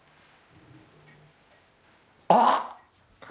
あっ！